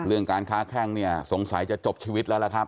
การค้าแข้งเนี่ยสงสัยจะจบชีวิตแล้วล่ะครับ